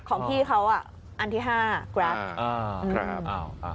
ของพี่เขาอ่ะอันที่๕กราฟ